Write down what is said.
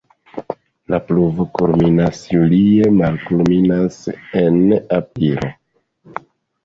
La pluvo kulminas julie, malkulminas en aprilo.